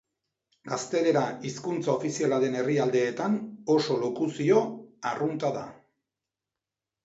Gaztelera hizkuntza ofiziala den herrialdeetan oso lokuzio arrunta da.